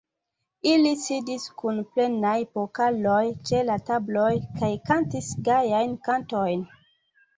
Ili sidis kun plenaj pokaloj ĉe la tabloj kaj kantis gajajn kantojn.